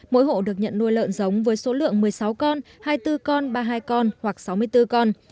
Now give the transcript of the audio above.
mỗi hộ được nhận nuôi lợn giống với số lượng một mươi sáu con hai mươi bốn con ba mươi hai con hoặc sáu mươi bốn con